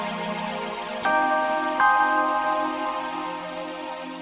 selama di rumah tomat bahkan bayi unlimited